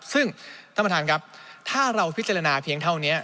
ซึ่งท่านประธานครับถ้าเราพิจารณาเพียงเท่านี้